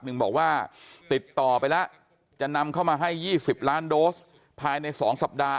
บอกว่าติดต่อไปแล้วจะนำเข้ามาให้๒๐ล้านโดสภายใน๒สัปดาห